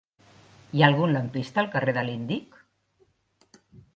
Hi ha algun lampista al carrer de l'Índic?